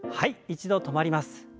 一度止まります。